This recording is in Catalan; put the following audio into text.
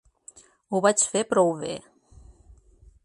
Ho vaig fer prou bé.